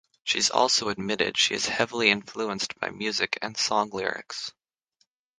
She's also admitted she is heavily influenced by music and song lyrics.